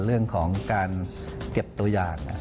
เรื่องของการเก็บตัวอย่าง